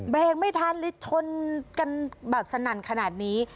เบงไม่ทันหรือชนกันสนั่นขนาดนี้